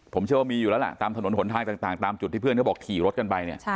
ผมเชื่อว่ามีอยู่แล้วล่ะตามถนนหนทางต่างตามจุดที่เพื่อนเขาบอกขี่รถกันไปเนี่ย